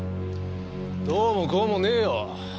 どうもこうもねえよ。